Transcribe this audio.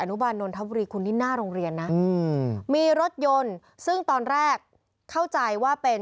นุบาลนนทบุรีคุณนี่หน้าโรงเรียนนะอืมมีรถยนต์ซึ่งตอนแรกเข้าใจว่าเป็น